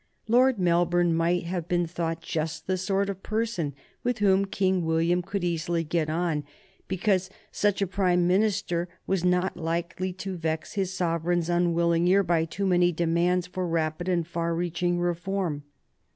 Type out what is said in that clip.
Lord Melbourne might have been thought just the sort of person with whom King William could easily get on, because such a Prime Minister was not likely to vex his sovereign's unwilling ear by too many demands for rapid and far reaching reform.